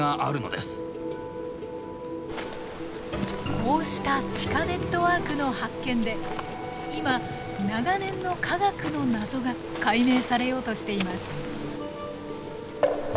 こうした地下ネットワークの発見で今長年の科学の謎が解明されようとしています。